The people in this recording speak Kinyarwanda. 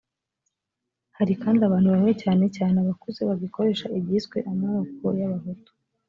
hari kandi abantu bamwe cyane cyane abakuze bagikoresha ibyiswe amoko y abahutu